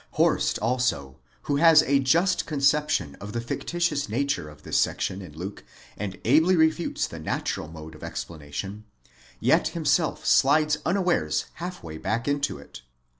Horst also, who has a just conception of the fictitious nature of this section in Luke, and ably refutes the natural mode of explana tion, yet himself slides unawares half way back into it.